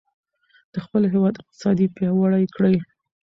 د خپل هېواد اقتصاد پیاوړی کړئ.